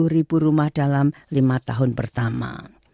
tiga puluh ribu rumah dalam lima tahun pertama